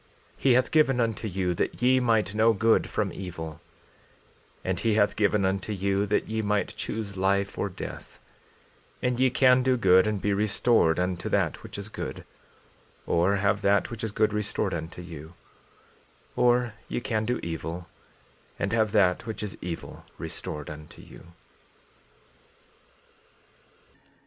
14:31 He hath given unto you that ye might know good from evil, and he hath given unto you that ye might choose life or death; and ye can do good and be restored unto that which is good, or have that which is good restored unto you; or ye can do evil, and have that which is evil restored unto you.